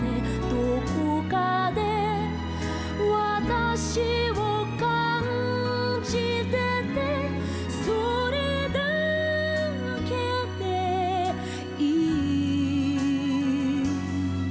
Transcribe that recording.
どこかで私を感じててそれだけでいいのよ